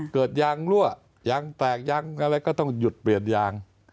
เกิดยางรั่วยางแตกยางอะไรก็ต้องหยุดเปลี่ยนยาง